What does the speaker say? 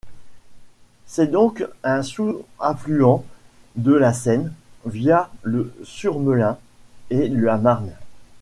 C’est donc un sous-affluent de la Seine, via le Surmelin et la Marne.